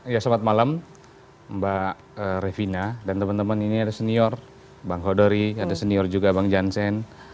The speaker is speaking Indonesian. ya selamat malam mbak revina dan teman teman ini ada senior bang hodori ada senior juga bang jansen